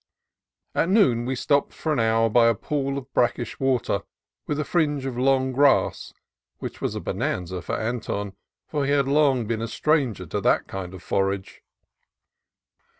At noon we stopped for an hour by a pool of brackish water, with a fringe of long grass which was a bonanza to Anton, for he had long been a stranger to that kind of forage.